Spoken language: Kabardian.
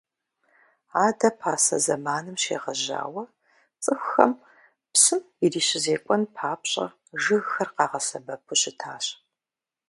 Адэ пасэ зэманым щегъэжьауэ цӏыхухэм псым ирищызекӏуэн папщӏэ жыгхэр къагъэсэбэпу щытащ.